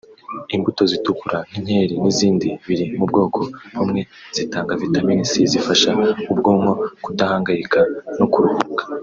Imbuto zitukura nk’inkeri n’izindi biri mu bwoko bumwe zitanga vitamini C zifasha ubwonko kudahangayika no kuruhuka